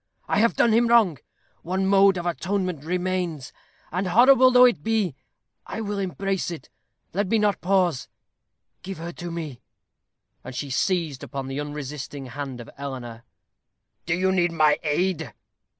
I have done him wrong. One mode of atonement remains; and, horrible though it be, I will embrace it. Let me not pause. Give her to me." And she seized upon the unresisting hand of Eleanor. "Do you need my aid?"